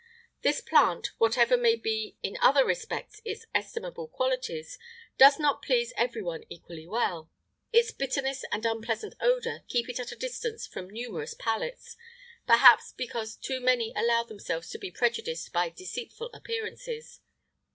[IX 99] This plant, whatever may be in other respects its estimable qualities, does not please every one equally well; its bitterness and unpleasant odour keep it at a distance from numerous palates perhaps because too many allow themselves to be prejudiced by deceitful appearances.